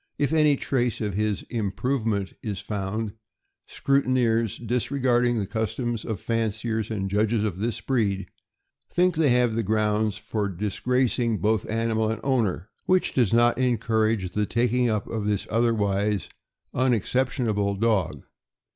If any trace of his '' improvement '' is found, scrutineers, disregarding the customs of fanciers and judges of this breed, think they have grounds for dis gracing both animal and owner, which does not encourage the taking up of this otherwise unexceptionable dog.